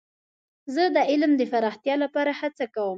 زه د علم د پراختیا لپاره هڅه کوم.